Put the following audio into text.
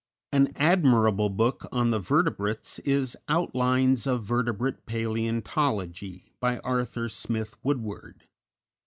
An admirable book on the vertebrates is "Outlines of Vertebrate Paleontology," by Arthur Smith Woodward.